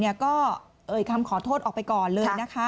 อีกคำขอโทษออกไปก่อน